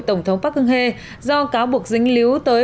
của tổng thống park geun hye do cáo buộc dính líu tới